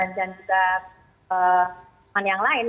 dan juga teman teman yang lain